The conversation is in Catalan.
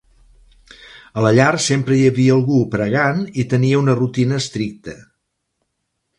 A la llar sempre hi havia algú pregant i tenia una rutina estricta.